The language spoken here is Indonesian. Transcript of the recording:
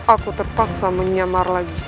aku terpaksa menyamar lagi